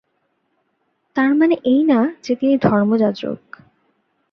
তার মানে এই না যে তিনি ধর্মযাজক।